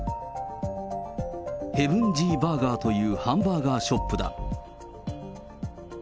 ヘブンジーバーガーというハンバーガーショップだ。